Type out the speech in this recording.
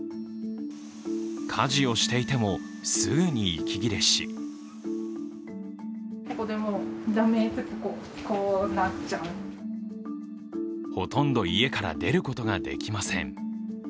家事をしていたも、すぐに息切れしほとんど家から出ることができません。